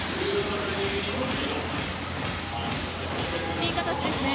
いい形ですね。